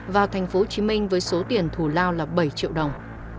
vào thành phố hồ chí minh với số tiền thù lao là bảy triệu đồng